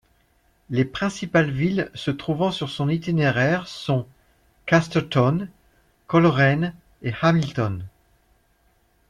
Les principales villes se trouvant sur son itinéraire sont Casterton, Coleraine et Hamilton.